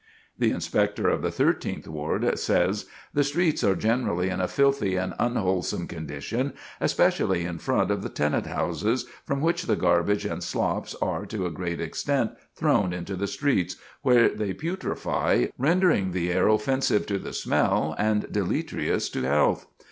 The Inspector of the Thirteenth Ward says: "The streets are generally in a filthy and unwholesome condition; especially in front of the tenant houses, from which the garbage and slops are, to a great extent, thrown into the streets, where they putrefy, rendering the air offensive to the smell and deleterious to health.